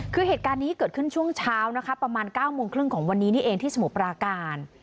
คือเหตุการณ์นี้เกิดขึ้นช่วงเช้านะคะประมาณ๙โมงครึ่งของวันนี้นี่เองที่สมุทรปราการ